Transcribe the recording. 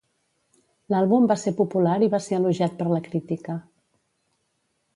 L'àlbum va ser popular i va ser elogiat per la crítica.